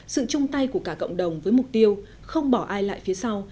sự chung tay của cả cộng đồng với mục tiêu không bỏ ai lại phía sau